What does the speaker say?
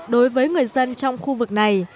đối với người dân trong khu vực này